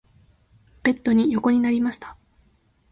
ベッドに横になりました。